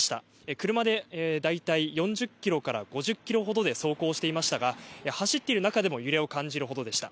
車でだいたい４０キロから５０キロほどで走行していましたが走っている中でも揺れを感じるほどでした。